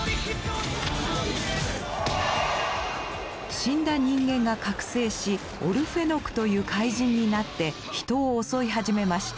死んだ人間が覚醒しオルフェノクという怪人になって人を襲い始めました。